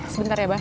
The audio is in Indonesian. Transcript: sebentar ya bah